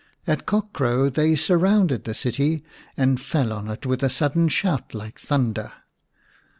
At cock crow they surrounded the city, and fell on it with a sudden shout like thunder.